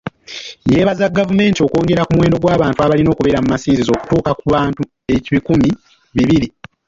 Yeebaza gavumenti olw'okwongera ku muwendo gw'abantu abalina okubeera mu masinzizo okutuuka ku bantu ebikumi bibiri.